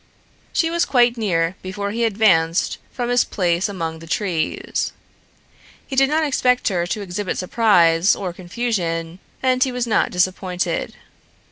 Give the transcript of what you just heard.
She was quite near before he advanced from his place among the trees. He did not expect her to exhibit surprise or confusion and he was not disappointed.